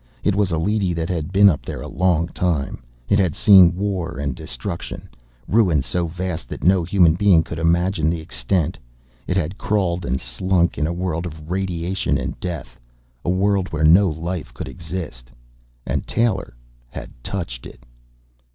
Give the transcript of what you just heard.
It was a leady that had been up there a long time; it had seen war and destruction, ruin so vast that no human being could imagine the extent. It had crawled and slunk in a world of radiation and death, a world where no life could exist. And Taylor had touched it!